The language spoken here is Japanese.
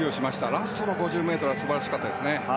ラストの５０ｍは素晴らしかったですね。